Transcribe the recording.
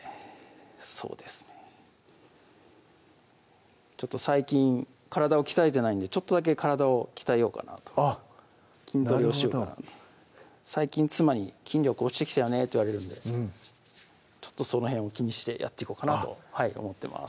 そうですねちょっと最近体を鍛えてないんでちょっとだけ体を鍛えようかなとあっなるほど筋トレをしようかなと最近妻に「筋力落ちてきたよね」って言われるんでちょっとその辺を気にしてやっていこうかなと思ってます